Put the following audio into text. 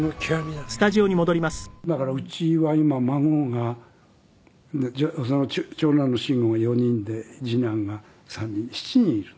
だからうちは今孫が長男の真吾が４人で次男が３人７人いる。